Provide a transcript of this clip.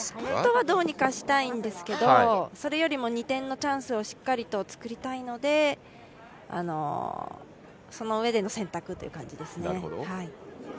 本当はどうにかしたいんですけど、それよりも２点のチャンスをしっかりと作りたいので、そのうえでの選択という感じですね。